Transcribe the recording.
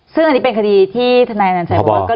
ซึ่งอันนี้เป็นคดีที่ธนายอนัญชัยบอกว่า